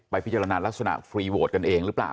พิจารณาลักษณะฟรีโหวตกันเองหรือเปล่า